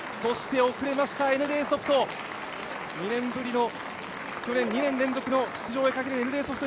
遅れましたＮＤソフト、去年２年連続で出場をかけるＮＤソフト。